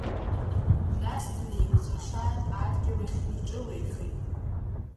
Нас днеикәаҵәишан адгьылахь иҿылеихеит.